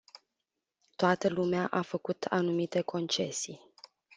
Toată lumea a făcut anumite concesii.